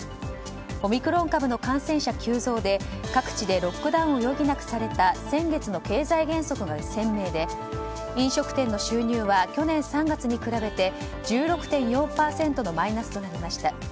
オミクロン株の感染者急増で各地でロックダウンを余儀なくされた先月の経済減速が鮮明で飲食店の収入は去年３月に比べて１６．４％のマイナスとなりました。